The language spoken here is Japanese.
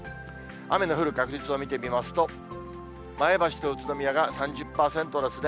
雨の降る確率を見てみますと、前橋と宇都宮が３０％ですね。